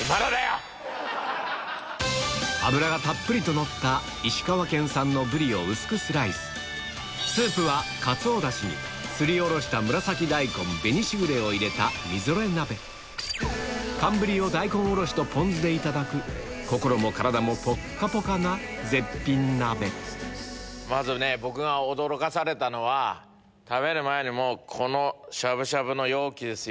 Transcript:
脂がたっぷりとのった薄くスライススープはかつおダシにすりおろしたみぞれ鍋寒ブリを大根おろしとポン酢でいただく心も体もポッカポカな絶品鍋まずね僕が驚かされたのは食べる前にこのしゃぶしゃぶの容器ですよ。